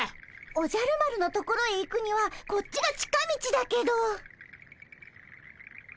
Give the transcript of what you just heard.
おじゃる丸のところへ行くにはこっちが近道だけど。